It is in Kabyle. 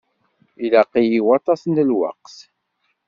Ilaq-iyi waṭas n lweqt.